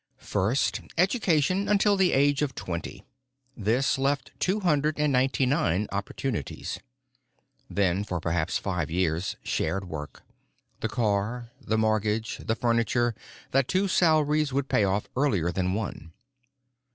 "First, education, until the age of twenty. This left two hundred and ninety nine opportunities. Then, for perhaps five years, shared work; the car, the mortgage, the furniture, that two salaries would pay off earlier than one.